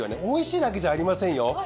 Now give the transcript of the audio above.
おいしいだけじゃありませんよ。